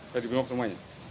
dari bumop semuanya